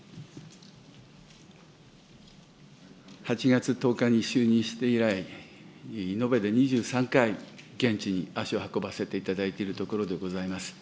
８月１０日に就任して以来、延べで２３回、現地に足を運ばせていただいているところでございます。